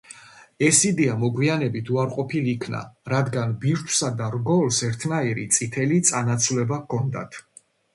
ეს იდეა მოგვიანებით უარყოფილი იქნა, რადგან ბირთვსა და რგოლს ერთნაირი წითელი წანაცვლება ჰქონდათ.